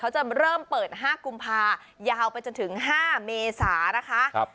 เขาจะเริ่มเปิดห้ากุมภายาวไปจนถึงห้าเมษานะคะครับ